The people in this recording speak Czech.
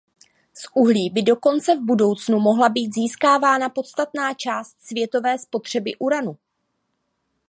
Z uhlí by dokonce v budoucnu mohla být získávána podstatná část světové spotřeby uranu.